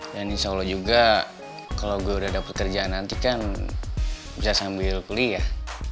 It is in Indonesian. dan insya allah juga kalo gue udah dapet kerjaan nanti kan bisa sambil kuliah